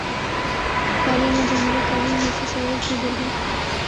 تعلیم اور جمہوریت تعلیم ہی سے شعور کی گرہیں